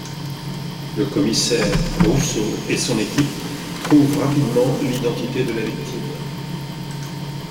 Le commissaire Rousseau et son équipe trouvent rapidement l'identité de la victime.